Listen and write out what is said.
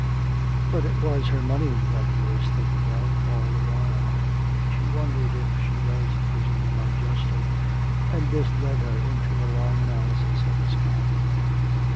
But it was her money that he was thinking of all the while.... She wondered if she was accusing him unjustly, and this led her into a long analysis of his character.